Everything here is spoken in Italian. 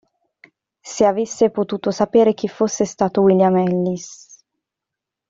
Se avesse potuto sapere chi fosse stato William Ellis!